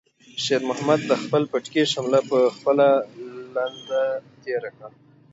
شېرمحمد د خپل پټکي شمله په خپله لنده تېره کړه.